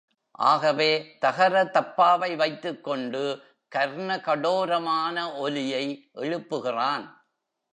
ஆகவே, தகர தப்பாவை வைத்துக் கொண்டு கர்ணகடோரமான ஒலியை எழுப்புகிறான்.